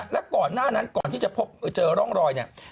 แล้วก่อนแรกนั้นก่อนที่เจอร่องรอย